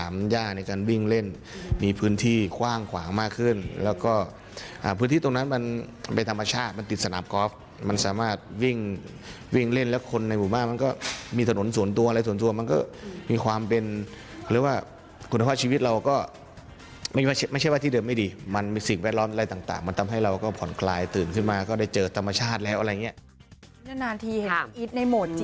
มันวิ่งเล่นมีพื้นที่คว่างขวางมากขึ้นแล้วก็พื้นที่ตรงนั้นมันเป็นธรรมชาติมันติดสนับกอร์ฟมันสามารถวิ่งวิ่งเล่นแล้วคนในหมู่บ้านมันก็มีถนนส่วนตัวอะไรส่วนตัวมันก็มีความเป็นหรือว่าคุณภาพชีวิตเราก็ไม่ใช่ว่าที่เดิมไม่ดีมันมีสิ่งแวดล้อนอะไรต่างมันทำให้เราก็ผ่อนคลายตื่น